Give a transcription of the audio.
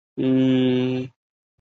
死后赠兵部右侍郎。